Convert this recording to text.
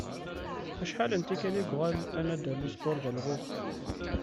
Acḥal n tikal i yuɣal Anadoluspor d alɣuɣ?